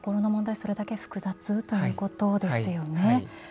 それだけ複雑ということですよね。